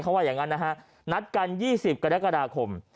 เขาว่าอย่างนั้นนะฮะนัดกัน๒๐กรกฎาคม